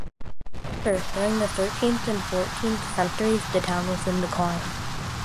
However, during the thirteenth and fourteenth centuries the town was in decline.